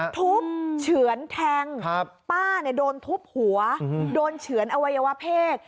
เฉือนแทงป้าโดนทุบหัวโดนเฉือนอวัยวเพศ